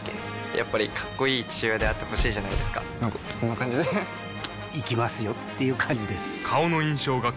やっぱりかっこいい父親であってほしいじゃないですかなんかこんな感じで行きますよっていう感じです